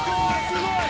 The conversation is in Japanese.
すごい！